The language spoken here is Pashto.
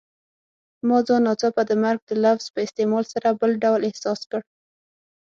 ما ځان ناڅاپه د مرګ د لفظ په استعمال سره بل ډول احساس کړ.